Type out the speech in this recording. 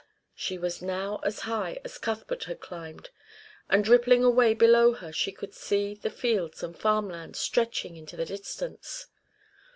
She was now as high as Cuthbert had climbed, and rippling away below her she could see the fields and farm lands stretching into the distance.